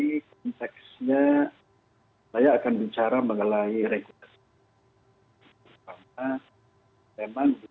ini konteksnya saya akan bicara mengenai regulasi